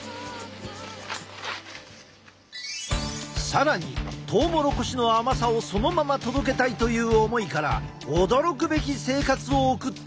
更にトウモロコシの甘さをそのまま届けたいという思いから驚くべき生活を送っている人もいる！